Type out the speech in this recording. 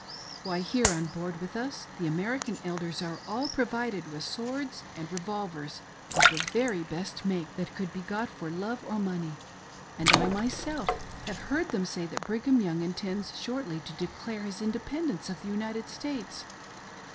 Why, here on board with us, the American Elders are all provided with swords and revolvers of the very best make that could be got for love or money, and I myself have heard them say that Brigham Young intends shortly to declare his independence of the United States.